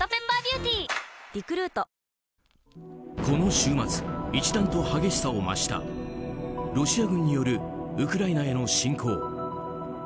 この週末一段と激しさを増したロシア軍によるウクライナへの侵攻。